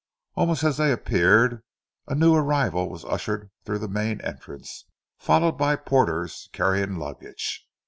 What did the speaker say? Almost as they appeared, a new arrival was ushered through the main entrance, followed by porters carrying luggage.